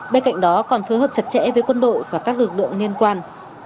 bên cạnh đó còn phối hợp chặt chẽ với quân đội và các lực lượng liên quan